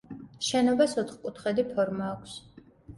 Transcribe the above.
შენობას ოთხკუთხედი ფორმა აქვს.